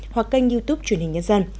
hoặc kênh youtube truyền hình nhân dân